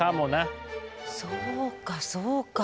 そうかそうか。